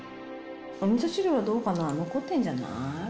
おみそ汁はどうかな、残ってるんじゃない？